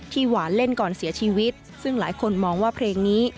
หวานเล่นก่อนเสียชีวิตซึ่งหลายคนมองว่าเพลงนี้